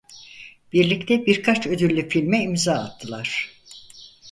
Birlikte birkaç ödüllü filme imza attılar.